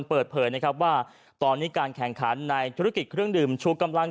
เปิดเผยนะครับว่าตอนนี้การแข่งขันในธุรกิจเครื่องดื่มชูกำลัง